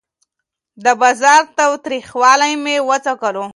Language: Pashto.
د بازار تریخوالی مې وڅکلو.